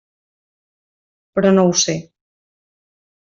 Però no ho sé.